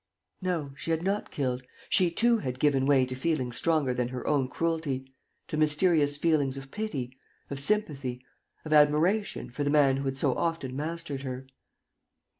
No, she had not killed, she too had given way to feelings stronger than her own cruelty, to mysterious feelings of pity, of sympathy, of admiration for the man who had so often mastered her.